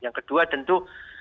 yang kedua tentu